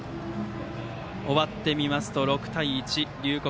終わってみますと６対１龍谷